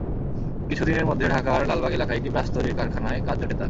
কিছুদিনের মধ্যে ঢাকার লালবাগ এলাকায় একটি ব্রাশ তৈরির কারখানায় কাজ জোটে তাঁর।